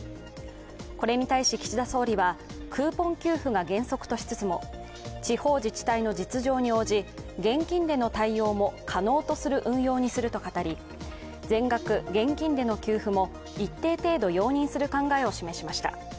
これに対し岸田総理はクーポン給付が原則としつつも地方自治体の実情に応じ現金での対応も可能とする運用にすると語り全額現金での給付も一定程度容認する考えも示しました。